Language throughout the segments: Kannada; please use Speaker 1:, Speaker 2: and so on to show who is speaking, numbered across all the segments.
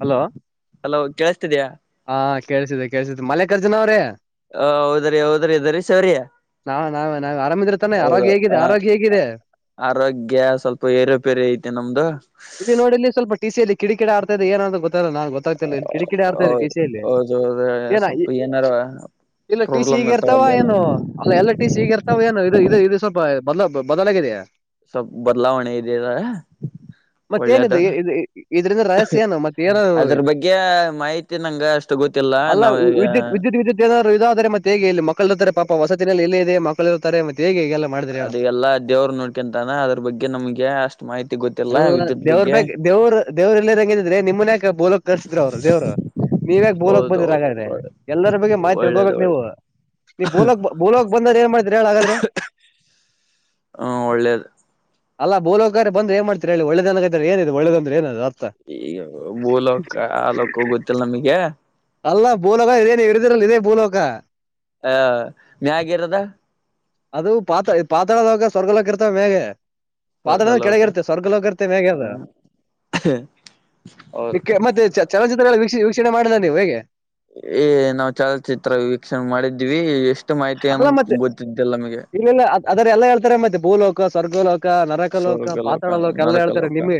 Speaker 1: ಹಲೋ
Speaker 2: ಹಲೋ ಕೇಳಿಸ್ತಿದ್ಯಾ
Speaker 1: ಹಾ ಕಳ್ಸಿದೆ ಕಳ್ಸಿದ್ದ ಮಲ್ಲಿಕಾರ್ಜುನ ಅವ್ರೇ
Speaker 2: ಹ ಹೌದ್ರೀ ಹೌದ್ರಿ ಇದದ್ರೀ ಶೌರ್ಯ
Speaker 1: ನಾವ್ ನಾವ ನಾವ್ ಆರಾಮಿದ್ರ ತಾನೆ ಆರೋಗ್ಯ ಹೇಗಿದೆ
Speaker 2: ಹ
Speaker 1: ಆರೋಗ್ಯ ಹೇಗಿದೆ
Speaker 2: ಆರೋಗ್ಯ ಸ್ವಲ್ಪ ಏರೋಪೇರೆ ಐತೆ ನಮ್ದು
Speaker 1: ಇದು ನೋಡಿ ಇ ಸ್ಲ್ಪ ಟ ಸಿಯಲ್ಲಿ ಕಿಡ ಕಡ ಆಡ್ತಾದೆ ಏನಾದ್ರ ಗೊತ್ತು ನಾನ್ ಗೊತ್ತಾಗ್ತಿಲ್ಲ ಇ ಕಿಡ ಕಿಡಿ ಆತಲ್ಲ ಟ
Speaker 2: ಹೌದು
Speaker 1: ಸಲ್ಲಿ
Speaker 2: ಹೌದೌದು
Speaker 1: ಏನ
Speaker 2: ಸ್ವಲ್ಪ ಏನಾರ
Speaker 1: ಇಲ್ಲ ಟಿ ಸಿ
Speaker 2: ಪ್ರಾಬ್ಲಮ್
Speaker 1: ಹಗ ಇರ್ತಾವ
Speaker 2: ಅಲ್ಲಿ ಎಲ್ಲ
Speaker 1: ಏನು ಅಲ್ಲ ಎಲ್ಲ ಟಿ ಸಿಗಿರ್ತ ಏನುೋ ಇದು ಇದು ಇದು ಸ್ವಲ್ಪ ಬದಲ ಬದಲಾಗಿದೆಯಾ
Speaker 2: ಸಬ್ ಬದಲಾವಣೆ ಇದದೆ
Speaker 1: ಮತ್ತೇನಿದು
Speaker 2: ಒಳ್ಳೇದು
Speaker 1: ಇದರಿಂದ ರಹಸ್ಯ ಏನು ಮತ್ತೆ ಏನ
Speaker 2: ಅದ್ರ ಬಗ್ಗೆ ಮಾಹಿತಿ ನಂಗ ಅಷ್ಟು ಗೊತ್ತಿಲ್ಲ
Speaker 1: ಅಲ್ಲ
Speaker 2: ನಾವ್
Speaker 1: ವಿದ್ಯುತ್ ವಿದ್ಯುತ್ ವಿದ್ಯುತ್ ಏಾದರು ಇದಾದರೆ ಮತ್ತೆ ಹೇಗೆ ಇಲ್ಲಿ ಮಕ್ಕಳು ಹತ್ತರೆ ಪಾಪ ವಸಿನಲ್ಲಿ ಎಲ್ಲ ಇದೆ ಮ ತತಾರೆ ಮೇಗಲ್ಲ
Speaker 2: ಅದ ಎಲ್ಲ ದೇವರು ನೋಡ್ಕೊಂತಾನ ಅದ್ರ ಬಗ್ಗೆ ನಮ್ಗೆ ಅಷ್ಟು ಮಾಹಿತಿ ಗೊತ್ತಿಲ್ಲ
Speaker 1: ಅಲ್ಲ
Speaker 2: ವಿದ್ಯುತ್
Speaker 1: ದೇವ್ರ
Speaker 2: ಬಗ್ಗೆ
Speaker 1: ಬಕ್ ದೇವ್ರು ದೇವ್ರ ಎಲ್ಲೇ ರ ಹಂಗಿದ್ರೆ ನಿಮ್ಮನ ಬೋಲಕ್ ಕಲ್ಸಿದ್ರು ಅವ್ರು ದೇವರು ನೀವ್ಯಾ ಬೋಲಕ ಬಂದಿರ
Speaker 2: ಹೌದೌದು
Speaker 1: ಹಾಗಾದ್ರೆ ಎಲ್ಲರ ಬಗ್ಗೆ ಮಾತಿ
Speaker 2: ಒಳ್ಳೇದು ಒಳ್ಳೇದು
Speaker 1: ತಿಳ್ಕೋಬೇಕಕ್ ನೀವು ನೀ ಬೋಲಕ್ ಬೋಲಕ ಬಂದ್ರ ಏನ್ ಮಾಡಿದ್ರೆ ಹೇಳಳ್ಗಾದ್ರೆ
Speaker 2: ಹ್ಮ ಒಳ್ಳೇದು
Speaker 1: ಅಲ್ಲ ಬೋಲೋಕಾರೆ ಬಂದ್ರ ಏ ಮಾಡ್ತೀ ಹೇಳಿ ಒಳ್ಳೆನದ ಏಿದೆ ಒಗಂದ್ರ ಏನದ
Speaker 2: ಈಗ ಭೂಲೋಕ ಆಲಕ ಗೊತ್ತಿಲ್ಲ ನಮಗೆ
Speaker 1: ಅಲ್ಲ ಭೂಲೋಕ ಇದೇನ ಇರಿದಿರಲ್ಲ ಇದೇ ಭೂಲಕ
Speaker 2: ಹನ್ಾಗ ಇರದ
Speaker 1: ಅದು ಪಾತ್ ಪಾತ್ಳದಾಗ ಸ್ವರ್ಗಲಕ ಇರ್ತಾವ ಮ್ಯೆ ಪಾಳದ
Speaker 2: ಸ್ವರ್ಗಲೋಕ
Speaker 1: ಕೆಳಗಿರುತ್ತೆ ಸ್ವರ್ಗ ಲೋಗಿತ್ತೆ ಮ್ಯಗ್ರೆ
Speaker 2: ಹೌದು
Speaker 1: ಮತ್ತೆ ಚಲನಚಿತ್ರಗಳು ವಕ್ಷ ವೀಕ್ಷಣೆ ಮಾಡುದ ನೀವು ಹೇಗೆ
Speaker 2: ಏ ನಾವವು ಚಲನಚಿತ್ರ ವೀಕ್ಷಣೆ ಮಾಡಿದೀವಿ ಎಷ್ಟ ಮ ಮಾಹಿತಿ ಅನ ಗೊತ್ತಿದ್ದಲ್ಲ ನಮಗೆ
Speaker 1: ಅದ್ರಲ್ಲ ಹೇತ ಮತ್ತೆ ಭೂ ಹೋಕ ಸ್ವರ್ಗೋ ಹೋಕ ಲೋ ನರಕ ಲೋಕ
Speaker 2: ಸ್ವರ್ಗ
Speaker 1: ಪಾತಾಳ ಲೋಕ ಎಲ್ಲಾ
Speaker 2: ನರಕ
Speaker 1: ಹೇಳ್ತಾರೆ
Speaker 2: ಲೋಕ
Speaker 1: ನಿಮ್ಗೆ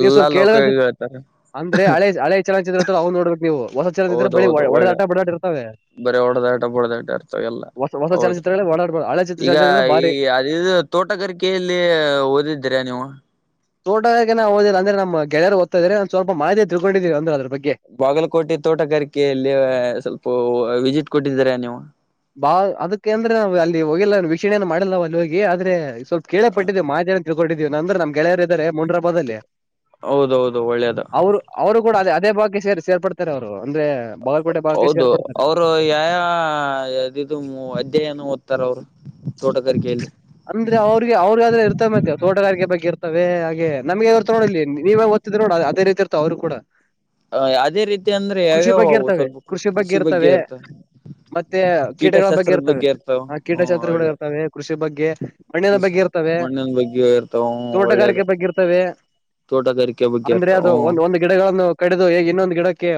Speaker 1: ನೀವ್ ಸ್ವಲ್ಪ
Speaker 2: ಲೋಕ
Speaker 1: ಕೇಳನ್ಸ
Speaker 2: ಹೇಳ್ತಾರೆ
Speaker 1: ಅಂದ್ರೆ ಹಳೆ ಹಳೆ ಚಲನ ಚಿತ್ರ ನಾವು ನೋಡ್ಬೇಕು ನೀವು ಹೊಸ ಇದ್ರೆ
Speaker 2: ಹೌದ
Speaker 1: ಬಿ
Speaker 2: ಹೌದು
Speaker 1: ಒಡ
Speaker 2: ಒಳ್ಳೆ
Speaker 1: ಆಟ ಬಡಾಟ ಇರ್ತಾವ
Speaker 2: ಬರೀ ಹೊಡೆದಾಟ ಬಡದಾಟ ಇರ್ತವೆ ಎಲ್ಲ
Speaker 1: ಹೊಸ
Speaker 2: ಹೌದು
Speaker 1: ಚತ್ರಳ ಬಳ
Speaker 2: ಈಗ ಈ ಅದದು ತೋಟಗಾರಿಕೆಯಲ್ಲಿ ಓದಿದ್ದೀರಾ ನೀವು
Speaker 1: ತೋಟಗೆ ನಾ ಹೋದಿಲ್ಲ ಅಂದ್ರೆ ನ ಗೆೆಯ ಓದ್ತ ಇದ್ರ ನ ಒ ಸ್ವಲ್ ಮಾಿತಿ ತಿಳ್ಕೊಂಡಿದೀಿ ಅ್ರ ಅ್ರರು
Speaker 2: ಬಾಗಲಕೋಟೆ ತೋಟಗಾರಿಕೆೆಯಲ್ಲಿ ಸ್ವಲ್ಪ ವಿಸಿಟ್ ಕೊಟ್ಟಿದ್ದೀರಾ ನೀವು
Speaker 1: ಬಾ ಅದ ಅಂದ್ರೆ ನಾವ ಅಲ್ಲಿ ಹೋಗಿಲ್ಲ ವೀಕ್ಷಣೆನು ಮಾಡಿಲ್ಲವ ಅಲ್ಲಿ ಹೋಗಿ ಆದ್ರೆ ಸ್ವಲ್ಪ ಕೇಳೇಟ್ಟಿದ್ದೀ ಮಾಹ ಜನ ತಿಳ್ಕೊಂಡೀವಿ ಅ್ರ ನಮ್ಗೆೆಯರ ಇದಾರೆ ಮುಂಡರಬದಲ್ಲಿ
Speaker 2: ಹೌದೌದು ಒಳ್ಳೇದು
Speaker 1: ಅವರು ಅವರು ಕೂಡ ಅದೇ ಅದೇ ಬಗ್ಗೆ ಸೇರ್ ಸೇರ್ಪಡ್ತಾರೆ ಅವರು ಅಂದ್ರೆ ಬಾಗಲಕೋಟೆ ಭಾಗಕ್ಕೆ
Speaker 2: ಹೌದು
Speaker 1: ಸೇರ್ಪಡ್ತಾರೆ
Speaker 2: ಅವರು ಯದು ಅಧ್ಯಯನ ಓದ್ತಾರ ಅವ್ರು
Speaker 1: ಅಂದ್ರೆ ಅವ್ರಿಗೆ ಅವ್ರಗ ಆದ್ರೆ ಇರ್ತಾರೆ ಮತ್ತೆ ತೋಟಗಾರಿಕ ಬಗ್ಗೆ ಇರ್ತ ಹಾಗೆ ನಮಗೆರ್ತ ನೋಡಿ ಇಲ್ಲಿ ನೀವೇ ಓದ್ಿದ್ರ ನೋಡ ಅದೇ ರತಿ ಇತ ಅವ್ರು ಕೂಡ
Speaker 2: ಹ ಅದೇ ರೀತಿ ಅಂದ್ರೆ
Speaker 1: ಕೃಷಿ
Speaker 2: ಯಾವ್ಯಾವ
Speaker 1: ಬಗ್ಗೆ
Speaker 2: ಅವು
Speaker 1: ಇರ್ತವೆ
Speaker 2: ಸ್ವಲ್ಪ ಕೃಷಿ ಬಗ್ಗೆ
Speaker 1: ಇರ್ತವೆ
Speaker 2: ಇರ್ತ
Speaker 1: ಮತ್ತೆ ಕೀಟಗಳ
Speaker 2: ಕೀಟಶಾಸ್ತ್ರದ
Speaker 1: ಇರ್ತವೆ
Speaker 2: ಬಗ್ಗೆ ಇರ್ತಾವ
Speaker 1: ಆ
Speaker 2: ಹ್ಮ
Speaker 1: ಕೀಟಶಾಸ್ತ್ರಗಳು
Speaker 2: ಒಳ್ಳೇದು
Speaker 1: ಇರ್ತವೆ ಕೃಷಿ ಬಗ್ಗೆ ಮಣ್ಣಿನ ಬಗ್ಗೆ ಇರ್ತವೆ
Speaker 2: ಮಣ್ಣನ್ ಬಗ್ಗೆ ಇರ್ತಾವ ಒಳ್ಳೇದು
Speaker 1: ತೋಟಗಾರಿಕೆ ಬಗ್ಗೆ ಇರ್ತವೆ
Speaker 2: ತೋಟಗಾರಿಕೆ ಬಗ್ಗೆ
Speaker 1: ಅಂದ್ರೆ
Speaker 2: ಇರ್ತವೆ
Speaker 1: ಅದು
Speaker 2: ಹೂ
Speaker 1: ಒಂದ್ ಒಂದು ಗಿಡಗಳನ್ನು ಕಡಿದು ಹೇಗೆ ಇನ್ನೊಂದು ಗಿಡಕ್ಕೆ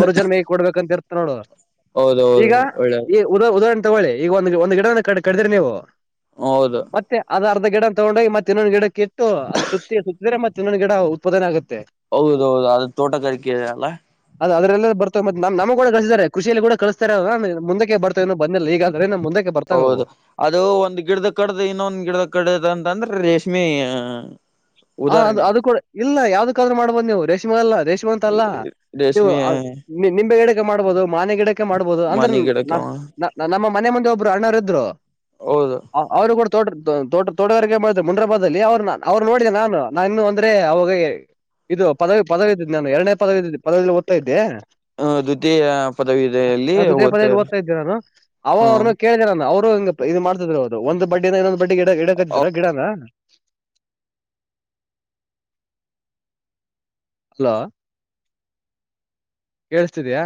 Speaker 1: ಮರು ಜನ್ಮ ಹೇಗ್ ಕೊಡ್ಬೇಕಂತ ಇರ್ತ ನೋಡ ಈಗ
Speaker 2: ಹೌದೌದು ಒಳ್ಳೇದು
Speaker 1: ಈ ಉದ ಉದಾಹರಣೆ ತಗಳಿ ಈಗ ಒಂದ ಒಂದ್ ಗಿಡ ಕಡದಿ್ರಿ ನೀವು
Speaker 2: ಹೌದು
Speaker 1: ಮತ್ತೆ ಅದ ಗಿಡ ತಗೊಂಡೋಗ ಮತ್ತನ್ನ ಗಿಡಕ ಇಟ್ಟು ಅದು ಸುತ್ತ ಸುತ್ತಿದ್ರೆತ್ತೆ ಮತ್ತು ಈನ್ನಾನ್ ಗಿಡ ಉತ್ಪಾದನೆ ಆಗುತ್ತೆ
Speaker 2: ಹೌದೌದು ಅದು ತೋಟಗಾರಿಕೆದೆ ಅಲ್ಲ
Speaker 1: ಅದುದಲ್ಲ ಬರ್ತವೆ ಮತ್ [unintelligible] ಕೃಷಿಯಲ್ಲಿೂಡ ಕಸ್ತಾರ ಮುಂದಕ್ಕೆ ಬರ್ತವೆ ಇಏನು ಬಂದಿಲ್ಲ ಈಗ ಸರಿ ನಮ್ಮ ಮುಂದಕ್ಕೆ ಬರ್ತಾ ಹೋು
Speaker 2: ಹೌದು ಅದು ಒಂದ್ ಗಿಡದ ಕಡ್ದು ಇನ್ನೊಂದ ಗಿಡದ ಕಡ್ದ ಅಂತಂದ್ರೆ ರೇಷ್ಮೆ
Speaker 1: ಹ ಅದು
Speaker 2: ಉದಾಹರಣೆ
Speaker 1: ಅದು ಕೂಡ ಇಲ್ಲ ಯಾವ್ದಕಾದ್ರೂ ಮಾಡ್ಬೋದ್ ನೀವು ರೇಷ್ಮೆ ಅಲ್ಲಾ ರೇಷ್ಮೆ ಅಂತ ಅಲ್ಲ ನೀವು
Speaker 2: ರೇಷ್ಮೆ
Speaker 1: ನಿಂಬೆ ಗಿಡಕ್ಕೆ ಮಾಡ್ಬೋದು ಮಾನೆ ಗಿಡಕ್ಕೆ ಮಾಡ್ಬೋದು ಅಂದ್ರೆ
Speaker 2: ಮನೆ ಗಿಡಕ್ಕೆ
Speaker 1: ನಮ್ಮ ಮನೆ ಮಂದಿ ಒಬ್ರು ಅಣ್ಣಾರು ಇದ್ರು
Speaker 2: ಹೌದು
Speaker 1: ಅವರು ತೋಟ ತೋಟ ತೋಟಗಾರಿಕೆ ಮಾಡಿದ್ರಾ ಮುನ್ರಾಬಾದದಲ್ಲಿ ಅವ್ರ ಅವ್ ನೋಿಡಿದ ನಾನು ನಾನ ಇನ್ನು ಅಂದ್ರೆ ಅವಾಗ ಇದು ಪದವಿ ಪದವಿ ಇದೆ ನಾನು ಎರನೇ ಪದವಿ ಇದ ಪದವಿ ಓದ್ತಾ ಇದ್ದೆ
Speaker 2: ಹ್ಮ ದ್ವಿತೀಯ ಪದವಿಲ್ಲಿ
Speaker 1: ದ್ವಿತೀಯ
Speaker 2: ಓದ್ತಾ
Speaker 1: ಪದವಿಲಿ ಇದ್ದೆ ನಾನು ಅವ ಅವ್ರನು ಕೇಳಿದರ ಅವರು ಹ ಇದು ಮಾಡ್ತಿದ್ರು ಅವರು ಒಂದು ಬಡ್ಡಿ ಇಂದ ಇನ್ನೊಂದು ಬಡ್ಡಿ ಗಿಡ ಗಿಡಕಟ್ಟಿದ್ರು ಗಿಡನ ಹಲೋ ಕೇಳಿಸ್ತಿದಯಾ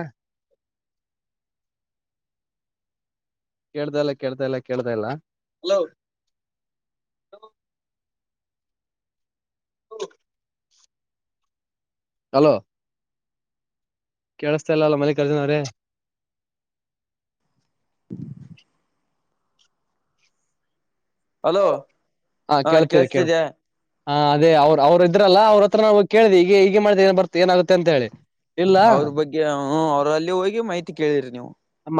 Speaker 1: ಕೇಳ್ದ ಇಲ್ಲ ಕೇಳ್ದ ಇಲ್ಲ ಕೇಳ್ದ ಇಲ್ಲ [unintelligible] ಹಲೋ ಕೇಳಿಸಸ್ತಾ ಇಲ್ಲ ಅಲ್ಲ ಮಲ್ಲಿಕರ್ಜನವ್ರೆ
Speaker 2: ಹಲೋ
Speaker 1: ಹಾ ಕೇಳ್ತೀರಿ ಕೇಳ ಹಾ ಅದೇ ಅವ್ ಅವರು ಇದ್ರಲ್ಲ ಅವ್ರತ್ರ ನಾವು ಕೇಳ್ದಿ ಈೀಗ ಹೀಗೆ ಮಾಡಿದ ಏನ್ ಬರ್ ಏನಾಗುತ್ತೆ ಅಂತ ಹೇಳಿ ಇಲ್ಲ
Speaker 2: ಅವ್ರ ಬಗ್ಗೆ ಹ ಅವ್ರಲ್ಲಿ ಹೋಗಿ ಮಾಹಿತಿ ಕೇಳಿದಿರಿಿ ನೀವು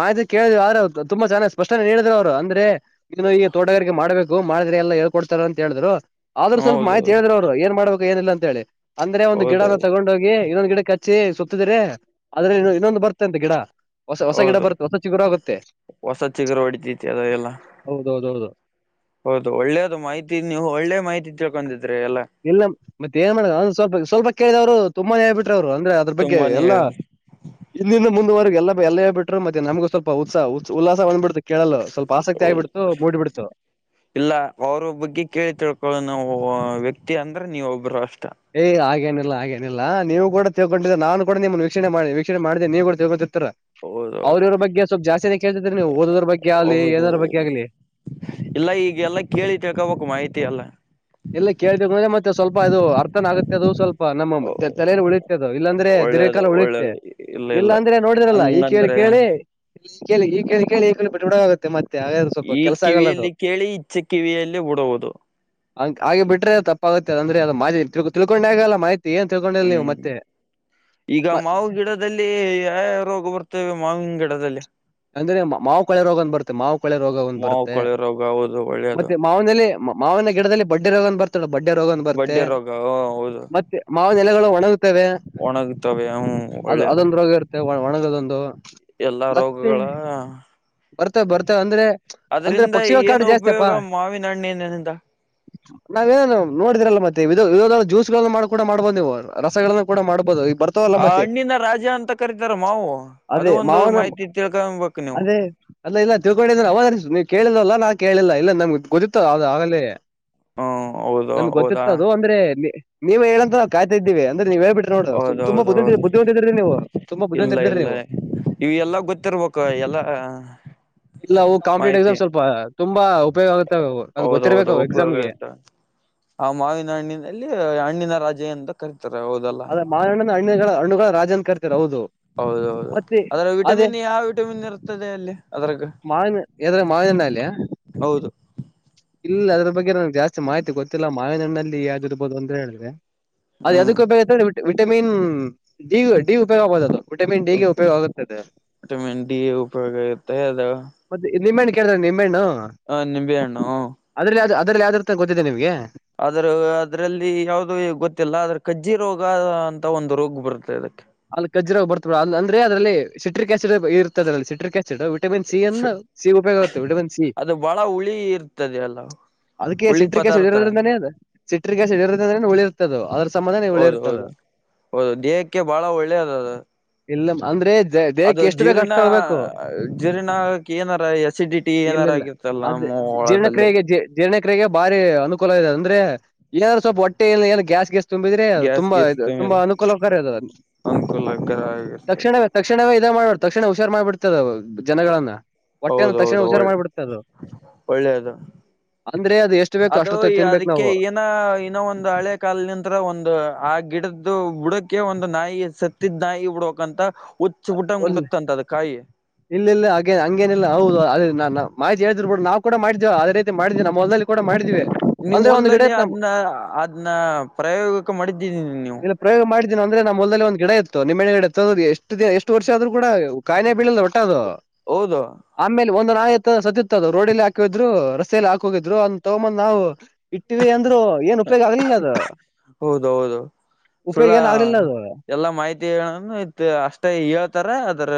Speaker 1: ಮಾಹಿತಿ ಕೇಳಿದವಿ ಆದ್ರೆ ತುಂಬಾ ಚೆನ್ನಾಗ್ ಸ್ಪಷ್ಟನೆ ನೀಡಿದ್ರು ಅವರು ಅಂದ್ರೆ ಇದುನ್ನ ಈಗ ಈಗ ತೋಟಗಾರಿಕೆ ಮಾಡಬೇಕು ಹೂ ಮಾಡ್ರ ಎಲ್ಲ ಹೇಳ್ ಕೊಡ್ತಾರ ಅಂತ ಹೇಳಿದರು ಆದ್ರರು ಸ್ವಲ್ಪ ಮಾಹತಿ
Speaker 2: ಹೌದೌದು
Speaker 1: ಹೇಳಿದ್ರ ಅವರು ಏನ್ ಮಾಡ್ಬೇಕು ಏನಿಲ್ಲ ಅಂತ ಹೇಳಿ ಅಂದ್ರೆ ಒಂದು ಗಿಡನ
Speaker 2: ಹೌದೌದು
Speaker 1: ತಗೊಂಡ ಹೋಗಿ ಇನ್ನೊಂದ್ ಗಿಡ ಕಚ್ಚಿ ಸುತ್ತಿದ್ರರಿ ಆದ್ರೆ ಇನ್ನೊಂದು ಬರ್ತೆ ಅಂತ ಗಿಡ ಹೊಸ ಗಿಡ
Speaker 2: ಹೌದು
Speaker 1: ಬರುತ್ತೆ ಹೊಸ ಚಿಗುರ ಆಗುತ್ತೆ
Speaker 2: ಹೊಸ ಚಿಗರು ಹೊಡಿತೈತಿ ಅದ ಎಲ್ಲ
Speaker 1: ಹೌದೌದ ಹೌದು
Speaker 2: ಹೌದು ಒಳ್ಳೇದು ಮಾಹಿತಿ ನೀವು ಒಳ್ಳೆ ಮಾಹಿತಿ ತಿಳ್ಕೊಂಡಿದ್ದಿ
Speaker 1: ಇಲ್ಲ ಮತ್ತೆ ಏನ್ ಮಾಡ ಸ್ವಲ್ಪ ಸ್ವಲ್ಪ ಕೇಳಿದವ್ರು ತುಂಬಾನೇ ಹೇಳ್ಬಿಟ್ಟು ಅಂದ್ರೆ ಅದ್ರ ಬಗ್ಗೆ
Speaker 2: ತುಂಬಾನೇ
Speaker 1: ಎಲ್ಲಾ ಇಂದಿಂದ ಮುಂದುವರೆ ಎಲ್ಲಾ ಎಲ್ಲೇ ಬಿಟ್ಟರು ಮತ್ತೆ ನಮಗ ಸ್ವಲ್ಪ ಉಸಾ ಉಲ್ಲಾಸಂದ್ ಬಿಟ್ಟು ಕೇಳಲು ಸ್ವಲ್ಪ ಆಸಕ್ತಿ ಆಗಿಬಿಡ್ತು ಮೂಡಿಬಿಡ್ತು
Speaker 2: ಇಲ್ಲ ಅವ್ರ ಬಗ್ಗೆ ಕೇಳಿ ತಿಳ್ಕೊಳ್ಳೋಣ ವ್ಯಕ್ತಿ ಅಂದ್ರೆ ನೀವು ಒಬ್ರು ಅಷ್ಟು
Speaker 1: ಏ್ ಹಾಗೇನಿಲ್ಲ ಹಾಗೇ ಇಲ್ಲ ನೀವು ಕೂಡ ತಗೊಂಡ್ರ ನಾನು ಕಡ ನಿಮ್ಮ್ ವೀಕ್ಷಣೆ ಮಾಡಿ ವೀಕ್ಷೆ ಮಾಡೆ ನೀವು ತೊಗೊ
Speaker 2: ಹೌದು
Speaker 1: ಅವ್ರ ಇವ್ರ ಬಗ್ಗೆ ಸ್ವಲ್ಪ ಜಾಸ್ತಿಿನ ಕೇಳ್ತಿದ್ರರಿ ನೀವು ಓದೋದ್ರ ಬಗ್ಗೆ ಆಗ್ಲಿ
Speaker 2: ಹೌದು
Speaker 1: ಏನ್ರ ಬಗ್ಗೆ
Speaker 2: ಹೌದು
Speaker 1: ಆಗ್ಲಿ
Speaker 2: ಇಲ್ಲ ಈಗೆಲ್ಲ ಕೇಳಿ ತಿೇಳ್ಕೊಬೇಕಕ್ು ಮಾಹಿತಿ ಎಲ್ಲ
Speaker 1: ಇಲ್ಲ ಕೇಳಂದ್ರೆ ಮತ್ತೆ ಸ್ವಲ್ಪ ಅದು ಅರ್ಥನ ಆಗುತ್ತೆ ಅದು ಸ್ವಲ್ಪ ನಮ್ಮ
Speaker 2: ಹೌದು
Speaker 1: ತಲಲಿ ಉಳ ಇಲ್ಲಾಂದ್ರೆ
Speaker 2: ಒಳ್ಳೇದು
Speaker 1: ದೀರ್ಘಕಾಲ ಉಳಿಯುತ್ತೆ
Speaker 2: ಒಳ್ಳೇದು ಇಲ್ಲ
Speaker 1: ಇಲ್ಲಾ
Speaker 2: ಇಲ್ಲ
Speaker 1: ಅಂದ್ರೆ ನೋಡಿದರಲ್ಲ ಈ ಕೇಳಿ
Speaker 2: ಹಂಗಂದ್ರೆ
Speaker 1: ಕೇಳಿ ಈ ಕೇಳಿ ಈ ಕೇಳಿ ಕೇಳಿ ಈ ಕಡೇ ಬಿಟ್ಬಡಬೇಕಾಗುತ್ತೇ
Speaker 2: ಈ ಕಿವಿಯಲ್ಲಿ ಕೇಳಿ ಇಚ್ಛೆ ಕಿವಿಯಲ್ಲಿ ಬಿಡುವುದು
Speaker 1: ಅ ಹಾಗೆ ಬಿಟ್ರೆ ತಪ್ಪಾಗುತ್ತೆ ಅಂದ್ರೆ ಅದು ಮಾಿ ತಿ ತಿಳ್ಕೊಂಡೆ ಆಗಲ್ಲ ಮಾಹಿತಿ ಏನ್ ತಿಳ್ಕೊಂಡಿರ್ಲ್ಲ ನೀವು
Speaker 2: ಹ್ಮ್
Speaker 1: ಮತ್ತೆ
Speaker 2: ಈಗ ಮಾವು ಗಿಡದಲ್ಲಿ ಯಾವ ರೋಗ ಬರ್ತೇವೆ ಮಾವಿನ ಗಿಡದಲ್ಲಿ
Speaker 1: ಅಂದ್ರೆ ಮಾವು ಕಳೆ ರೋಗ ಒಂದ್ ಬರುತ್ತೆ ಮಾವು ಕಳೆ ರೋಗ ಒಂದ್
Speaker 2: ಮಾವು
Speaker 1: ಬರುತ್ತೆ
Speaker 2: ಕೊಳೆ ರೋಗ ಹೌದು ಒಳ್ಳೇದು
Speaker 1: ಮತ್ತೆ ಮಾವನಲ್ಲಿ ಮಾವಿನ ಗಿಡದಲ್ಲಿ ಬಡ್ಡಿ ರೋಗನ್ ಬರ್ತಳ ಬಡ್ಡ ರೋಗಂದ ಬರುತ್ತೆ
Speaker 2: ಬಡ್ಡೆ ರೋಗ ಹೌದು
Speaker 1: ಮತ್ತೆ ಮಾವನೆಲೆಗಳು ಒಣಗುತ್ತವೆ
Speaker 2: ಒಣಗುತ್ತವೆ ಹ್
Speaker 1: ಅದು
Speaker 2: ಒಳ್ಳೆದು
Speaker 1: ಅದೊಂದ್ ರೋಗ ಇರುತ್ತೆ ಒಣಗದೊಂದು
Speaker 2: ಎಲ್ಲಾ ರೋಗಗಳ
Speaker 1: ಬರ್ತೇ ಬರ್ತವೆ ಅಂದ್ರೆ ಅಂದ್ರೆ
Speaker 2: ಅದರಿಂದ
Speaker 1: ಪಕ್ಷಿಗಳ ಕಾಡು
Speaker 2: ಏನು
Speaker 1: ಜಾಸ್ತಿ ಅಪ್ಪಾ
Speaker 2: ಉಪಯೋಗ ಮಾವಿನ ಹಣ್ಣಿನಿಂದ
Speaker 1: ನಾವೇಏನು ನೋಡಿದ್ರರಲ್ಲ ಮತ್ತೆ ಜ್ಯೂಸ್ ಗಳನ್ನು ಮಾಡ ಕೂಡ ಮಾಡ್ಬೋದು ನೀವು ರಸಗಳನ್ನು ಕೂಡ ಮಾಡ್ಬೋದು ಬರ್ತಾವಲ್ಲ
Speaker 2: ಆ
Speaker 1: ಮತ್ತೆ
Speaker 2: ಹಣ್ಣಿನ ರಾಜ ಅಂತ ಕರಿತಾರೆ ಮಾವು ಅದು
Speaker 1: ಅದೇ
Speaker 2: ಒಂದು
Speaker 1: ಮಾವನ
Speaker 2: ಮಾಹಿತಿ ತಿಳ್ ಕಂಬಕ್ನವು
Speaker 1: ಅದೇ ಅಲ್ಲ ಇಲ್ಲ ತಿಳ್ಕೊಂಡಿದ್ರೆ ಅವಧಾನರಿಸತು ನೀವು್ ಕೇಳಿದವಲ್ಲ ನಾ್ ಕೇಳಿಲ್ಲ ಇಲ್ಲ ನಮ್ಗೆ ಗೊತ್ತತ್ತು ಆಗಲೇ
Speaker 2: ಹ್ಮ ಹೌದು
Speaker 1: ನಮ್ಗೆ
Speaker 2: ಹೌದಾ
Speaker 1: ಗೊತ್ತಿತ್ತದು ಅಂದ್ರೆ ನೀವ ಹೇಳಂತ ಕಾಯ್ಾ ಇದೀವಿ ಅಂದ್ರೆ ನೀವುೇಳ್ಿ್ರಿ ನೋಡು
Speaker 2: ಹೌದೌದ
Speaker 1: ತುಂಬ ಬುದ
Speaker 2: ಹೌದು
Speaker 1: ಬುದ್ಧಿಂತ ಇದ್ರಿ ನೀವು ತುಂಬಾ ಬುದ್ಧಿಂತ ಇದ್ರಿ ನೀವು
Speaker 2: ಇ ಎಲ್ಲ ಗೊತ್ತಿರ್ಬೇಕಕ್ ಎಲ್ಲಾ
Speaker 1: ಇಲ್ಲ ಅವು ಕಾಂಪಿಟೇಿವ್
Speaker 2: ಮಾಹಿತಿ
Speaker 1: ಎಕ್ಸಾಮ್ ಸ್ವಲ್ಪ ತುಂಬಾ ಉಪಯೋಗ ಆಗುತ್ತವೆ ಅದು
Speaker 2: ಹೌದೌದು
Speaker 1: ಗೊತ್ತಿರ್ಬೇಕ
Speaker 2: ಉಪಯೋಗ
Speaker 1: ಎಕ್ಸಾಮ್ಗೆ
Speaker 2: ಇರ್ತ ಆ ಮಾವಿನ ಹಣ್ಣಿನಲ್ಲಿ ಹಣ್ಣಿನ ರಾಜೆ ಎಂತ ಕರಿತ
Speaker 1: ಅದ ಮಹಣ್ಣನ ಹಣ್ಣಿಗಳ ಹಣ್ಣುಗಳ ರಾಜನ್ ಕರ್ತರ ಹೌದು
Speaker 2: ಹೌದೌದು
Speaker 1: ಮತ್ತೆ
Speaker 2: ಅದ್ರ
Speaker 1: ಅದೇ
Speaker 2: ವಿಟಮಿನ್ ಯಾವ ವಿಟಮಿನ್ ಇರ್ತದೆ ಅಲ್ಲಿ ಅದ್ರಕ್ಕ
Speaker 1: ಯಾ
Speaker 2: ಹೌದು
Speaker 1: ಇಲ್ಲ ಅದ್ರ ಬಗ್ಗೆ ನಂಗೆ ಜಾಸ್ತಿ ಮಾಹಿತಿ ಗೊತ್ತಿಲ್ಲ ಮಾವಿನಣ್ಣಲ್ಲಿ ಯಾವ್ದು ಇರ್ಬೋದು ಅಂದ್ರೆ ಹೇಳೆ ಅದ್
Speaker 2: ಹ್ಮ್
Speaker 1: ಎದಕ್ಕೆ ಉಪಯೋಗ ಆ ವಿಟಮಿನ್ ಡಿ ಡಿ ಉಪಯೋಗ ಆಗ್ಬಹುದು ಅದು ವಿಟಮಿನ್ ಡಗೆ ಉಪಯೋಗ ಆಗತುತ್ತದೆ
Speaker 2: ವಿಟಮಿನ್ ಡಿ ಉಪಯೋಗ ಇರುತ್ತೆ ಅದು
Speaker 1: ಮತ್ತೆ ನಿಮ್ಮೆಣ್ಣ ಕೇಳ್ರ ನಿಮ್ಮೆಣ್ಣು
Speaker 2: ಹ ನಿಂಬ್ಯಾ್ಣ
Speaker 1: ಅ್ರ ಯಾವ್ದದರ್ತಂತ ಗೊತ್ತಿದೆ ನಿಮಗೆ
Speaker 2: ಆದ್ರ ಅದ್ರಲ್ಲಿ ಯಾವವು್ದ ಗೊತ್ತಿಲ್ಲ ಅದ್ರ ಕಜ್ಜಿ ರೋಗ ಅಂತ ಒಂದು ರೋಗ್ ಬರುತ್ತೆ ಅದಕ್ಕೆ
Speaker 1: ಅಲ್ಲಿ ಕಜ್ಜರ ಹಿ ಬರ್ತ ಬಿಡ ಅಂದ್ರೆ ಅದ್ರಲ್ಲಿ ಸಿಟ್ರಿಕ್ ಆಸಿಡ್ ಇರುತ್ತದೆದ್ರಲ್ಲಿ ಸಿಟ್ರಿಕ್್ಯ ಚ ವಿಟಮಿನ್ ಸಿ ಅನ್ನ ಸಿ ಉಪಯೋಗ ಆುತ್ತೆ ವಿಟಮಿನ್ ಸಿ
Speaker 2: ಅದು ಬಹಳ ಹುಳಿ ಇರ್ತದೆ ಅಲ್ಲ
Speaker 1: ಅದಕ್ಕೆ
Speaker 2: ಹುಳಿ
Speaker 1: ಸಿಟ್ರಿ ಕಾಶ
Speaker 2: ಪದಾರ್ಥ
Speaker 1: ಇರೋದ್ರಿಂದೇ ಸಿಟ್ರ ಗೇಶಸ್ ಇರೋ್ರ ಉಳಿರ್ತದು ಅದ್ರ ಸಂಬಂಧನೇ
Speaker 2: ಹೌದ
Speaker 1: ಉಳಿರ್ತದು
Speaker 2: ಹೌದು ಹೌದು ದೇಹಕ್ಕೆ ಬಹಳ ಒಳ್ಳೇದ ಅದ
Speaker 1: ಇಲ್ಲ ಅಂದ್ರೆ
Speaker 2: ಅದು
Speaker 1: ದೇಹಕ್ಕೆ ಎಷ್ಟು ಬೇಕ ಅಷ್ಟು
Speaker 2: ಜೀರ್ನ
Speaker 1: ತಗೋಬೇಕು
Speaker 2: ಜೀರ್ನಕ್ಕೆ ಏನಾರ ಎಸಿಡಿಟಿ ಏನಾರ
Speaker 1: ಇಲ್ಲಿಲ್ಲ
Speaker 2: ಆಗಿತ್ತಲ್ಲ
Speaker 1: ಅದ ಜೀರ್ಣಕ್ರಿಯೆಗೆ ಜೀರ್ಣ್ರ ಭಾರಿ ಅನುಕೂಲ ಇದೆ ಅಂದ್ರೆ ಏನಾದ್ರು ಸ್ವಲ್ಪ ಹೊಟ್ಟೆ ಏ ಗ್ಯಾಸ್ ಗ್ಯಾಸ್ ತುಂಬಿದ್ರೆ ಅದು
Speaker 2: ಗ್ಯಾಸ್
Speaker 1: ತುಂಬಾ
Speaker 2: ಗೀಸ್
Speaker 1: ಇದು ತುಂಬಾ ಅನುಕೂಲಕಾರಿ ಅದು
Speaker 2: ಅನುಕೂಲಕರ ಆಗಿರ್ತದೆ
Speaker 1: ತಕ್ಷಣವೇ ತಕ್ಷಣವೇ ಇದ ಮಾಡ್ಬಿಡ್ತು ತಕ್ಷಣ ಹುಷಾರ್ು ಮಾಡ್ಬಿಡ್ತದ ಅವ ಜನಗಳನ್ನ ಹೊಟ್ಟೆಯನ್ನು ತಕ್ಷಣ
Speaker 2: ಹೌದೌದು
Speaker 1: ಹುಷಾರ
Speaker 2: ಒಳ್ಳೆ
Speaker 1: ಮಾಡಿಬಿಡ್ತೆ ಅದು
Speaker 2: ಒಳ್ಳೇದು
Speaker 1: ಎಷ್ಟು ಬೇಕು
Speaker 2: ಅದು
Speaker 1: ಅಷ್ಟೊತ್ತ ತಿನ್ಬೇಕು ನಾವು
Speaker 2: ಅದಕ್ಕೆ ಏನ ನೋ ಒಂದು ಹಳೆ ಕಾಲ್ ನಂತ್ರ ಒಂದು ಆ ಗಿಡದ್ದು ಬುಡಕ್ ಒಂದು ನಾಯಿ ಸತ್ತಿದ್ ನಾಯಿ ಬಿಡ್ಬೇಕಂತ ಹುಚ್ಚ್ ಬಿಟ್ಟಂಗ್
Speaker 1: ಒಳ್ಳೆ
Speaker 2: ಬಿಡುತ್ತಂತ ಅದ ಕಾಯಿ
Speaker 1: ಇಲ್ಲ ಇಲ್ಲ ಹಾಗೇ ಹಂಗೇನಿಲ್ಲ ಹೌದು ಅ ನಾ ನ ಮಾ್ತಿ ಹೇಳಿದ್ ಬಿು ನಾವುೂಡ ಮಾಡ್ವ ಅದೇೀತಿ ಮಾಡ್ವಿ ನಮ್ಮ ಹೊಲದಲ್ಲಿ ಕೂಡ ಮಾಡಿದ್ವಿ
Speaker 2: ನಿಮ್
Speaker 1: ಅಂದ್ರೆ ಒಂದು ಗಿಡ
Speaker 2: ಹೊಲದಲ್ಲಿ
Speaker 1: ಇತ್ತು ನಮ್
Speaker 2: ಅದ್ನ್ನ ಅದ್ನ್ನ ಪ್ರಯೋಗಕ್ಕೆ ಮಾಡಿದ್ದ
Speaker 1: ಇಲ್ಲ ಪ್ರಯೋಗ ಮಾಡಿದ್ದನಿ ಅಂದ್ರೆ ನಮ್ಮ ಹೊಲ್ದಲ್ಲಿ ಒಂದು ಗಿಡ ಇತ್ತು ನಿಮ್ಮ ಎಳಗಡೆ ತಂದೋದು ಎಷ್ಟು ದಿನ ಎಷ್ಟು ವರ್ಷ ಆದ್ರೂ ಕೂಡ ಕಾಯನೆ ಬಳಲ್ ಒಟ್ಟ ಅದು
Speaker 2: ಹೌದು
Speaker 1: ಆಮೇಲೆ ಒಂದು ನಾಯ ಸತ್ತುತ್ತ ಅ ರೋಡ್ಲ್ಲಿ ಹಾಕಿದ್ರು ರಸ್ತೆಯಲ್ಲಿ ಹಾಕ ಹೋಗಿದ್ರು ಅ್ ತಗೊ್ ನಾವು ಇಟ್ಟೀಿವ ಅಂದ್ರರು ಏನ್ ಉಪಯೋಗ ಆಗ್ಲಿಲ್ಲ ಅದು
Speaker 2: ಹೌದೌದು
Speaker 1: ಉಪಯೋಗ
Speaker 2: ಸುಳ್ಳ
Speaker 1: ಏನ್ ಆಗ್ಲಿಲ್ಲ ಅದು
Speaker 2: ಎಲ್ಲಾ ಮಾಹಿತಿನು ಇ ಅಷ್ಟೇ ಹೇಳ್ತಾರ ಅದ್ರ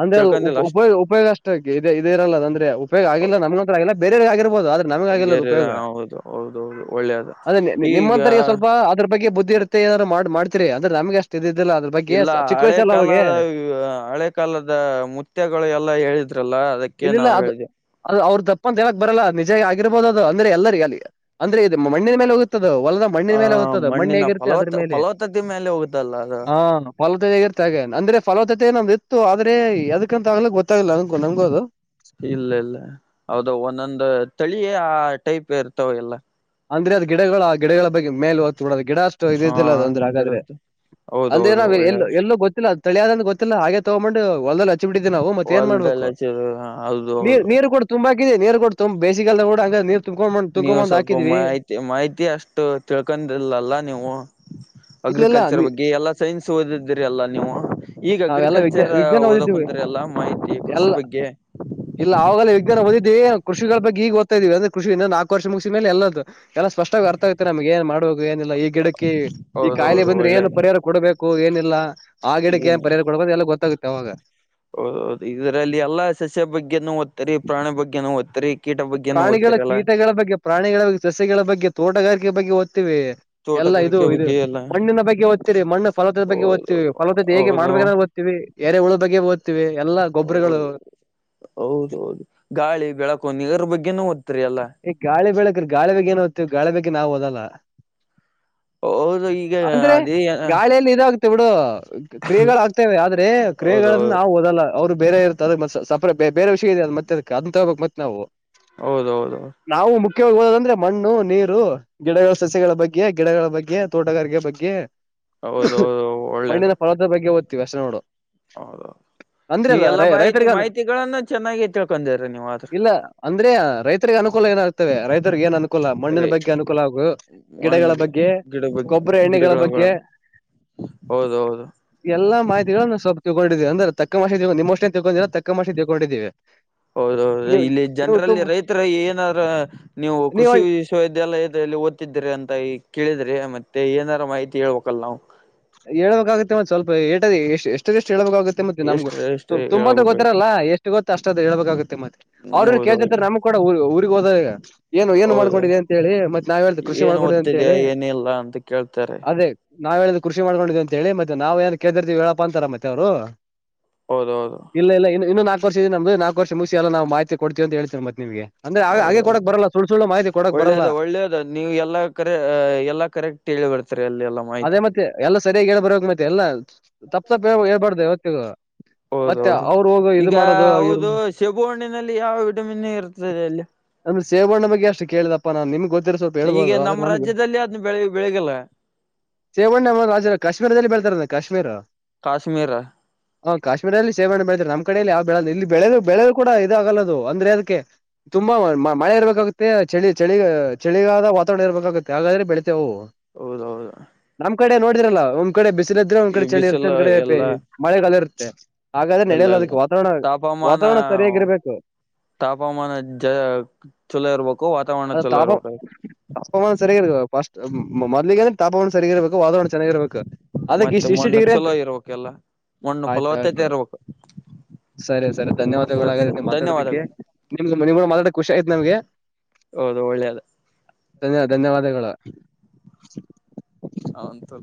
Speaker 1: ಅಂದ್ರೆ ಅ ಉಪಯೋಗ ಉಪಯೋಗ ಅಷ್ಟ ಇ ಇದ ಇರಲ್ಲ ಅ್ರೆ ಉಪಯೋಗ ಆಗಿಲ್ಲ ನಮ್ಗಂಂತತ್ರ ಆಗಿಲ್ಲ ಬೇರೆಗ ಆದ್ರೆ ನಮಗಲ್ಲ
Speaker 2: ಬೇರೆ
Speaker 1: ಉಪಯೋಗ
Speaker 2: ಹೌದು ಹೌದೌದು ಒಳ್ಳೇದು
Speaker 1: ಅ
Speaker 2: ಈಗ
Speaker 1: ನಿಮ್ಮಂತರಿಗೆ ಸ್ವಲ್ಪ ಅದ್ರ ಬಗ್ಗೆ ಬುದ್ಧಿ ಇರುತ್ತೆ ಏಾದ್ ಮಾಡ್ತೀರಿ ಅ್ರ ನಮ್ಗೆ ಅಷ್ಟ ಇದ
Speaker 2: ಇಲ್ಲ ಹಳೆ ಕಾಲದ ಹಳೆ ಕಾಲದ ಮುತ್ಯಗಳು ಎಲ್ಲಾ ಹೇಳಿದ ಇದ್ರಲ್ಲ ಅದಕ್ಕೆ ನಾವು ಹೇಳಿದೆ
Speaker 1: ಅಪ್ಪ ಅಂತ ಹೇಳಕ್ ಬರಲ್ಲ ನಿಜ ಆಗಿರ್ಬಹದು ಅಂದ್ರ ಎಲ್ಲರಿಗೆಗ ಅಂದ್ರೆ ಇದು ಮ್ಣಿನ ಮೇಲೆ ಹೋಗುತ್ತೆ ಹೊಲದ ಮಣ್ಣಿನ
Speaker 2: ಆ
Speaker 1: ಮೇಲೆ ಹ್ತದ ಮಣ್ಣ
Speaker 2: ಮಣ್ಣಿನ
Speaker 1: ಹೇಗಿರುತ್ತ ಅದ್ರ
Speaker 2: ಫಲವತ್ತ
Speaker 1: ಮೇಲೆ
Speaker 2: ಫಲವತ್ತತೆ ಮೇಲೆ ಹೋಗುದಲ್ಲ ಅದು
Speaker 1: ಹ ಹೊ ಗಿರ್ತೆ ಅಂದ್ರೆ ಫಲವತತೆ ನಮ್ದ್ ಇತ್ತು ಆದ್ರೆ ಅದಕ್ಕಂತ ಆಗ್ಲಿ ಗೊತ್ತಾಗಿಲ್ಲ ಅನ್ಕೊಂಡು ನಮಗ ಅದು
Speaker 2: ಇಲ್ಲ ಇಲ್ಲ ಹೌದು ಒಂದೊಂದು ತಳಿಯೇ ಆ ಟೈಪ್ ಇರ್ತವೆ ಎಲ್ಲ
Speaker 1: ಅಂದ್ರೆ ಅದು ಗಿಡಗಳು ಆ ಗಿಡಗಳ ಬಗ್ ಮೇಲೆ ಹೊತ್ತು ಕೊಡೋದು ಗಿಡ ಅಷ್ಟು
Speaker 2: ಹ
Speaker 1: ಇದಿಲ್ಲ ಅದ ಅಂದ್ರೆ ಹಾಗಾದ್ರೆ
Speaker 2: ಗಿಡದ್ದು
Speaker 1: ಅಂದ್ರ
Speaker 2: ಹೌದೌದು
Speaker 1: ನಾವ ಎ
Speaker 2: ಒಳ್ಳೆ
Speaker 1: ಎಲ್ಲೂ ಗೊತ್ತಿಲ್ಲ ತಳಿಯಾದಂತ ಗೊತ್ತಿಲ್ಲ ಹಾಗೆ ತೊಗೊಂಬೊಂಡು ಹೊಲ್ದ ಬಿಟ್ಟಿದ್ದೆವಿ ನಾವು ಮತ್ತೆ ಏನ್
Speaker 2: ಹೊಲ್ದಲ್ಲ
Speaker 1: ಮಾಡ್ಬೇಕು
Speaker 2: ಹೌದು
Speaker 1: ನೀ
Speaker 2: ಹೌದು
Speaker 1: ನೀರು ಕೂಡ ತುಂಬಾ ನೀರ್ ಕ ಬೇಡ ನೀ ತುಕೊಂಡ ತುಕೊ
Speaker 2: ನೀವು
Speaker 1: ಹಾಿ
Speaker 2: ಸ್ವಲ್ಪ ಮಾಹಿತಿ ಮಾಹಿತಿ ಅಷ್ಟು ತಿಳ್ಕೊಂಡಿಲ್ಲಲ್ಲ ನೀವು
Speaker 1: ಇಲ್ಲೆಲ್ಲ
Speaker 2: ಅಗ್ರಿಕಲ್ಚರ್ ಬಗ್ಗೆ ಎಲ್ಲಾ ಸೈನ್ಸ್ ಓದಿದಿರಿ ಅಲ್ಲಾ ನೀವು ಈಗ
Speaker 1: ನಾವೆಲ್ಲ ವಿಜ್ಞ
Speaker 2: ಅಗ್ರಿಕಲ್ಚರ್
Speaker 1: ವಿಜ್ಞಾನ ಓದಿದೀವಿ
Speaker 2: ಓದಕುಂತರಿ ಎಲ್ಲಾ ಮಾಹಿತಿ
Speaker 1: ಎಲ್ಲ
Speaker 2: ಕೃಷಿ ಬಗ್ಗೆ
Speaker 1: ಇಲ್ಲ ಆಾಗಲೇ ಈ ನಾವುದಿದ್ದೇ ಕಷಗಳ ಬಗ್ ಈಗಓದ್ಾ ಇದೀ ಅ್ರ ಕಷ ಇ ನಾಕ ವರ್ ಮುಗಸಿದೇಲೆ ಎಲ್ಲದು ಎಲ್ಲ ಸ್ಪಷ್ಟವಾಗಿ ಅರ್ಥ ಆಗತ್ತೆ ನಮ್ಗೆ ಏನ್ ಮಾಡ್ಬೇಕು ಏನಿಲ್ಲ ಈ ಗಿಡಕಿ ಈ ಕಾಯಿಲೆ
Speaker 2: ಹೌದೌದು
Speaker 1: ಬಂದ್ರೆ ಏನು
Speaker 2: ಒಳ್ಳೇದು
Speaker 1: ಪರಿಹಾರ ಕೊಡಬೇಕು ಏನಿಲ್ಲ ಇಲ್ಲ ಆ ಗಿಡಕ್ಕೆ ಏ
Speaker 2: ಏನು
Speaker 1: ಪರಿಯಾರ ಕೊಡ್ಬೋದು ಎಲ್ಲ ಗೊತ್ತಾಗುತ್ತೆ ಅವಾಗ
Speaker 2: ಹೌದೌದು ಇದ್ರಲ್ಲಿ ಎಲ್ಲಾ ಸಸ್ಯ ಬಗ್ಗೆನುೂ ದ್ತ್ತರಿ ಪ್ರಾಣಿ ಬಗ್ಗೆನೂ ಓದ್ತ್ತರಿ
Speaker 1: ಪ್ರಾಣಿಗಳ ಕೀಟಗಳ ಬಗ್ಗೆ ಪ್ರಾಣಿಗಳ ಬಗ್ ಸಸ್ಯಗಳ ಬಗ್ಗೆ ತೋಟಗಾರಿಕೆ ಬಗ್ಗೆ ಹ ಎಲ್ಲಾ ಇದು
Speaker 2: ತೋಟಗಾರಿಕೆ
Speaker 1: ಇದು
Speaker 2: ಬಗ್ಗೆ ಎಲ್ಲ
Speaker 1: ಮಣ್ಣಿನ ಬಗ್ಗೆ ದ್ತೀರಿ ಮಣ್ಣ ಫಲವತದ ಬಗ್ಗೆ
Speaker 2: ಹೌದು
Speaker 1: ದ್ತೀವಿ ಫಲವತ ಹೇಗೆ
Speaker 2: ಹೌದು
Speaker 1: ಮಾಡ ದ್ತಿವಿ ಏನ ಹುಳ ಬಗ್ಗೆ ದ್
Speaker 2: ಹೌದು ಹೌದ ಹೌದು ಗಾಳಿ ಬೆಳಕೊೊಂಡ ಎರ ಬಗ್ಗೆನ ದ
Speaker 1: ಗಾಳಿ ಬೆಳಕ್ರ ಗಾಳಿ ಬೇಗ್ ಏನು ಓ್ತೀವಿ ಗಾಳಿ ಬಗ್ ನಾವ್ ಓದಲ್ಲ
Speaker 2: ಹೌದು ಈಗ
Speaker 1: ಅಂದ್ರೆ
Speaker 2: ಅದೇ
Speaker 1: ಗಾಳಿಯಲ್ಲಿ ಇದಾಗ ಬಿಡು ಕ್ರಿಯೆಗಳುಾಗಗ್ತವೆ ಆದ್ರೆ ಕ್ರಿಯೆನ್ನ
Speaker 2: ಹೌದೌದು
Speaker 1: ನಾವು ಓದಲ್ಲ ಅವ್ರು ಬೇರೆ ಇರ್ತದೆ ಅದು ಸ ಬೇರೆ ವಿಷಯ ಇದೆ ಅ ಮತ್ತೆರ್ ಅಂತ ಹಗಬೇಕ ಮತ್ತೆ ನಾವು
Speaker 2: ಹೌದ ಹೌದೌದು
Speaker 1: ಹೋಗುವುದಂದ್ರೆ ಮಣ್ಣು ನೀರು ಗಿಡಗಳ ಸಸ್ಯಗಳ ಬಗ್ಗೆ ಗಿಡಗಳ ಬಗ್ಗೆ ತೋಟಗಾರಿಕೆ ಬಗ್ಗೆ
Speaker 2: ಹೌದೌದು
Speaker 1: ಮಣ್ಣಿನ
Speaker 2: ಒಳ್ಳೇದು
Speaker 1: ಪರ್ವತದ ಬಗ್ಗೆ ಓದ್ತೀವಿ ಅಷ್ಟ ನೋಡು
Speaker 2: ಹೌದು
Speaker 1: ಅಂದ್ರೆ
Speaker 2: ನೀವ್
Speaker 1: ಅದ
Speaker 2: ಎಲ್ಲಾ ಮಾಹಿತಿ
Speaker 1: ರೈತರಿಗ
Speaker 2: ಮಾಹಿತಿಗಳನ್ನ ಚೆನ್ನಾಗಿ ತಿಳ್ಕೊಂಡಿರಿ ನೀವು ಆದ್ರ
Speaker 1: ಇಲ್ಲ ಅಂದ್ರೆ ರೈತರಿಗ ಅನುಕೂ ಏನಾಗತವೆ ರೈತರಿಗೆ ಏ ಅನುಕೂಲ ಮಣ್ಣಿನ
Speaker 2: ರೀ
Speaker 1: ಬಗ್ಗೆ ಅನುಕೂಲ ಆಗುದು ಗಿಡಗಳ
Speaker 2: ಮಣ್ಣಿಗೆ
Speaker 1: ಬಗ್ಗೆ
Speaker 2: ಗಿಡ ಬಗ್
Speaker 1: ಗೊಬ್ಬರ ಎಣ್ಣೆಗಳ
Speaker 2: ಗಿಡಗಳ
Speaker 1: ಬಗ್ಗೆ
Speaker 2: ಹೌದೌದು
Speaker 1: ಎಲ್ಲಾ ಮಾಹಿತಿ ಹೇಳ ಸ್ವಪ ತಗೊಂಡಿದ್ದವಿ ಅಂದ್ರ ತಕ್ಕಮ ಮಾಡಿ ನಿಮ್ಮಷ್ಟೇ ತಗೊಂಡ್ರ ತಕ್ಕಮ ಮಾಡಿ ತಗೊಂಡಿದ್ದೀವಿ
Speaker 2: ಹೌದೌದು ಇಲ್ಲಿ ಜನರಲ್ಲಿ
Speaker 1: ತುಂಬಾ
Speaker 2: ರೈತ ಏನಾದ್ರ ನೀವು ಕೃಷಿ ವಿಶ್ವವಿದ್ಯಾಲಯದಲ್ಲಿ ಓದ್ತಿದ್ದೀರಿ ಅಂತ ಕೇಳಿದ ್ರೆ ಮತ್ತೆ ಏನಾದಾರು ಮಾಹಿತಿ ಹೇಳ್ಬೇಕಲ್ಲ ನಾವು
Speaker 1: ಹೇಳ್ಬೇಕಾಗುತ್ತೆ ಮತ್ತತ್ ಸ್ವಲ್ಪ ಏಟ ಎಷ್ಟ ಎಷ್ಟ ಎಷ್ಟು ಹೇಳ್ಬೇಕಾಗುತ್ತೆ ಮತ್ತೆ ನಮಗ
Speaker 2: ಎಷ್ಟು ಎಷ್ಟು
Speaker 1: ತುಂಬ
Speaker 2: ಹೇಳ್ಬೇಕೈತಿ
Speaker 1: ಗೊತ್ತಿರಲ್ಲ ಎಷ್ಟು ಗೊತ್ತ ಅಷ್ಟ ಹೇಬೇಕಾಗುತ್ತೆ ಮತ್ತೆ ಅವ್ರ ಕ
Speaker 2: ಹೌದೌದು
Speaker 1: ನಮ್ ಕೂಡ ಕದಾ ಏನು ಏನು
Speaker 2: ಹೌದು
Speaker 1: ಮಾಡ್ಕೊಂಡಿದೆ ಅಂತ ಹೇಳಿ ಮತ್ತೆ ನಾವ್ ಹೇಳ್ದು ಕೃಷಿ
Speaker 2: ಏನ್
Speaker 1: ಮಾಡ್ಕೊಂಡಿದೆವಿ ಅಂತ
Speaker 2: ಓದ್ತಿದ್ಯಾ
Speaker 1: ಹೇಳಿ
Speaker 2: ಏನಿಲ್ಲ ಅಂತ ಕೇಳ್ತಾರೆ
Speaker 1: ಅದೇ ನಾವ ಹೇಳಿದ್ರ ಕೃಷಿ ಮಾಡ್ಕೊಂಡೀವಿಂತ ಹೇಳಿ ಮತ್ತೆ ನಾವ ಏನ್ ಕೇಳದಿರ್ತವಿ ಹೇಳಲ್ಲಪ್ಪ ಅಂತಾರ ಮತ್ತೆ ಅವರು
Speaker 2: ಹೌದೌದು
Speaker 1: ಇಲ್ಲ ಇಲ್ಲ ಇನ್ನು ಇನ್ನು ನಾಲ್ಕು ವರ್ಷ ಇದೆ ನ್ದ ನಾಲ್ಕು ವರ್ಷ ಮುಗಿಸಿ ಎಲ್ಲ ನಾವು ಮಾಹತಿಡ್ತೀವಿ ಅಂತ ಹೇಳ್ೀವಿ ಮತ್ತೆ ನಿಮಗೆ ಅಂದೆ ಹಾಗೆ ಕೊಡಕ್ ಬರಲ್ಲ ಸು ಸು
Speaker 2: ಒಳ್ಳೇದು ಒಳ್ಳೇದು ನೀವ್ ಎಲ್ಲಾ ಕರೆ ಎಲ್ಲಾ ಕರೆಕ್ಟ್ ಹೇಳಿ ಬರ್ತೀರಿ ಅಲ್ಲಿ ಎಲ್ಲ
Speaker 1: ಅದೇ ಮತ್ತೆ ಎಲ್ಲ ಸರಿಯಾಗಿ ಹೇಳ್ಬರ್ಬೇಕು ಮತ್ತೆ ಎಲ್ಲ ತಪ್ಪ ತಪ್ಪ ಹ ಹೇಳ್ಬಾರ್ದು ಹೊತ್ತಿಗ
Speaker 2: ಹೌದೌದು ಈಗ
Speaker 1: ಇವ್ರು
Speaker 2: ಹೌದು ಶೆಬು ಹಣ್ಣಿನಲ್ಲಿ ಯಾವ ವಿಟಮಿನ್ ಇರ್ತದೆ ಅಲ್ಲಿ
Speaker 1: ನಮ್ ಸೇವಣ್ಣ ಬಗ್ಗೆ ಅಷ್ಟ ಕೇಳಿದಪ್ಪ ನಾನ್ ನಿಮ್ಗೆ ಗೊ
Speaker 2: ಈಗ ನಮ್ಮ ರಾಜ್ಯದಲ್ಲಿ ಅದನ್ ಬೆಳ ಬೆಳಿಗಲ್ಲ
Speaker 1: ಚೇವಣ್ಣಮ್ಮ ರಾಜ ಕಾಶ್ಮೀರದಲ್ಲಿ ಬಳ್ತಾರ ಕಾಶ್ಮೀರ
Speaker 2: ಕಾಶ್ಮೀರ
Speaker 1: ಹಾ ಕಾಶ್ಮೀರಲ್ಲಿ ಸೇವೆನೆ ಮಾಡ ಬೆಳದಾರೆ ನ ಕಡೆಯಲ್ಲಿ ಯಾವ ಬೆಳಲ್ಲ ಇ ಬೆಳದು ಬೆಳೆದು ಕೂಡ ಇದಾಗಗಲ್ಲ ಅಂದ್ರೆ ಅದಕ್ಕೆ ತುಂಬಾ ಮಳೆ ಇರ್ಬೇಕಾಗುತ್ತೆ ಚಳಿ ಚಳಿ ಚಳಿಗಾದ ವಾತಾವರಣ ಇರ್ಬೇಕಾಗುತ್ತೆ ಹಾಗಾದ್ರೆ ಬೆಳ
Speaker 2: ಹೌದೌದು
Speaker 1: ಒಮ್ಡೆೋಡಿರಲ್ಲ ಒಂದ್ ಕಡೆ ಬಿಸಿಲಿದ್ರೆ ಒಂದ್
Speaker 2: ಈ
Speaker 1: ಕಡೆ ಚಳಿರುತ್ತೆ
Speaker 2: ಬಿಸಿಲು
Speaker 1: ಒಂದ್ ಕಡೆ
Speaker 2: ಎಲ್ಲ
Speaker 1: ಮಳೆಗಾಲ ಇರುತ್ತೆ ಹಾಗಾದ್ರೆ
Speaker 2: ಎಲ್ಲ
Speaker 1: ನಡೆಯಲ
Speaker 2: ಎಲ್ಲ
Speaker 1: ಅದಕ್ಕೆ ವಾತಾವರಣ
Speaker 2: ತಾಪಮಾನ
Speaker 1: ವಾತಾವರಣ ಸರಿಯಾಗಿರ್ಬೇಕು
Speaker 2: ತಾಪಮಾನ ಜ ಚಲೋ ಇರ್ಬೇಕು ವಾತಾವರಣ
Speaker 1: ಅದು
Speaker 2: ಚಲೋ ಇರ್ಬೇಕ
Speaker 1: ಪಫಸ್ಟ್ ಮಾರ್ಲಿ ಕ ತಾಪವನ್ನು್ ಸರಿಯಗಿರ್ಬೇಕು ವಾದರಣ ಚೆನ್ನಾಗಿರ್ಬೇಕು ಅದಕ್
Speaker 2: ಮತ್ತೆ
Speaker 1: ಇಷ್ಟ ಇಷ್ಟು
Speaker 2: ಮಣ್ಣು
Speaker 1: ಡಿಗ್ರಿ ಅಂತ
Speaker 2: ಚಲೋ ಇರ್ಬೇಕು ಎಲ್ಲ ಮಣ್ಣು
Speaker 1: ಆಯ್ತು
Speaker 2: ಫಲವತ್ತತೆ
Speaker 1: ಆಯ್ತು
Speaker 2: ಇರ್ಬೇಕು
Speaker 1: ಸರಿ ಸರಿ ಧನ್ಯವಾದಗಳು
Speaker 2: ಸಸ್ಯ.
Speaker 1: ಹಾಗಾದ ಮಾತಾಡೋದಿಕ್ಕೆ
Speaker 2: ಧನ್ಯವಾದಗಳು
Speaker 1: ನಿಮ್ದ ನಿಮ್ ಮಾತಾಡಕ್ಕೆ ಖುಷಿ ಆಯತು ನಮ್ಗೆ
Speaker 2: ಹೌದು ಒಳ್ಳೆಯದ
Speaker 1: ಕ
Speaker 2: ಹೌಂತು